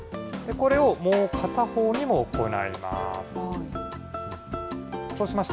これをもう片方にも行います。